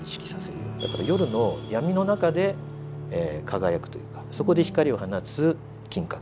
だから夜の闇の中で輝くというかそこで光を放つ金閣。